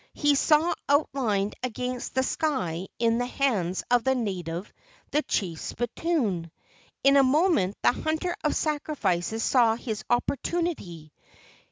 He saw outlined against the sky in the hands of the native the chief's spittoon. In a moment the hunter of sacrifices saw his oppor¬ tunity.